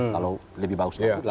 kalau lebih bagus